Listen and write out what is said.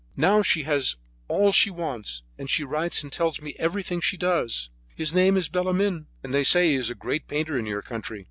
Now she has all she wants, and she writes and tells me everything that she does. His name is Bellemin, and they say he is a great painter in your country.